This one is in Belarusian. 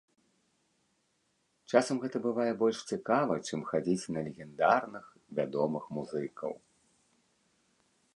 Часам гэта бывае больш цікава чым, хадзіць на легендарных, вядомых музыкаў.